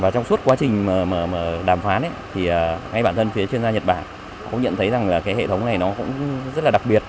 trong suốt quá trình đàm phán ngay bản thân phía chuyên gia nhật bản cũng nhận thấy hệ thống này rất đặc biệt